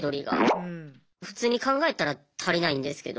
普通に考えたら足りないんですけど。